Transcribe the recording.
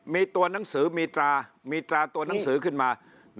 มีตัวหนังสือมีตรามีตราตัวหนังสือขึ้นมา